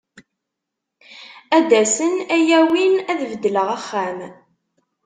Ad d-asen ad yi-awin, ad beddleɣ axxam.